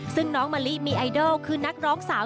ซึ่งน้องมะลิมีไอดอลคือนักร้องสาว